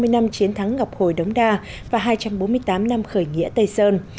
hai trăm ba mươi năm chiến thắng ngọc hồi đống đa và hai trăm bốn mươi tám năm khởi nghĩa tây sơn